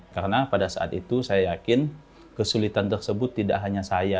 karena pada saat itu saya yakin kesulitan tersebut tidak hanya saya